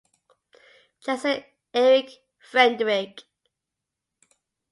Jensen, Eric Frederick.